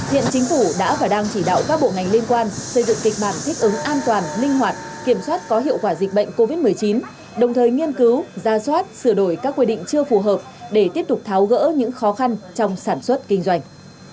hiện chính phủ đã và đang chỉ đạo các bộ ngành liên quan xây dựng kịch bản thích ứng an toàn linh hoạt kiểm soát có hiệu quả dịch bệnh covid một mươi chín đồng thời nghiên cứu ra soát sửa đổi các quy định chưa phù hợp để tiếp tục tháo gỡ những khó khăn trong sản xuất kinh doanh